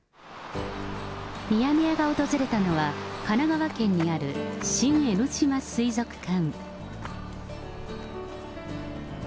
ミヤネ屋が訪れたのは、神奈川県にある新江ノ島水族館。